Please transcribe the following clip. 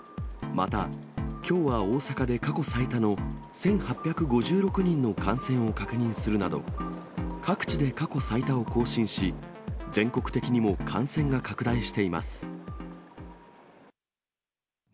また、きょうは大阪で過去最多の１８５６人の感染を確認するなど、各地で過去最多を更新し、全国的にも感染が拡大しています。